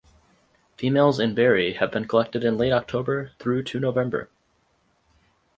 Females in berry have been collected in late October through to November.